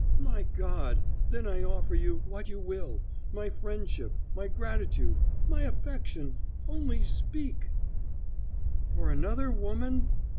"My God! Then I offer you what you will my friendship my gratitude my affection only speak " "For another woman!